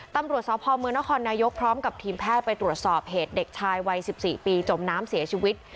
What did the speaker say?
ตำรวจสพเมืองนครนายกพร้อมกับทีมแพทย์ไปตรวจสอบเหตุเด็กชายวัย๑๔ปีจมน้ำเสียชีวิต